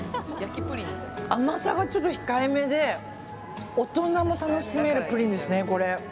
甘さがちょっと控えめで大人も楽しめるプリンですね。